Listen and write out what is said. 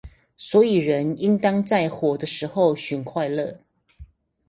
所以人應當在活的時候尋快樂